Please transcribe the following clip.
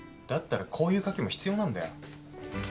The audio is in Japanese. だったらこういう賭けも必要なんだよ。